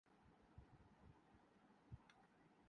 تو پہلوانوں کی طرح۔